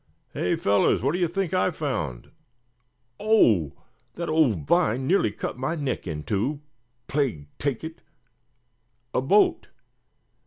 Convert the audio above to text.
"Hey! fellers, what d'ye think, I've found oh! that old vine nearly cut my neck in two, plague take it a boat!